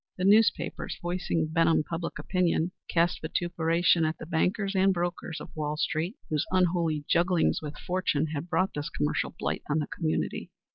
The newspapers, voicing Benham public opinion, cast vituperation at the bankers and brokers of Wall street, whose unholy jugglings with fortune had brought this commercial blight on the community.